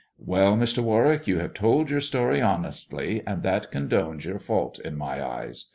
Well, Mr. Warwick, you have told your story honestly, and that condones your fault in my eyes.